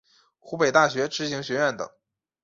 湖北大学知行学院等